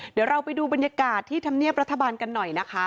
เดี๋ยวเราไปดูบรรยากาศที่ธรรมเนียบรัฐบาลกันหน่อยนะคะ